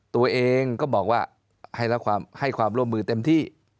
ตัวเองก็บอกว่าให้ความร่วมมือเต็มที่